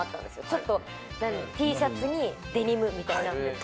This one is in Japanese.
ちょっと、Ｔシャツにデニムみたいなのとか。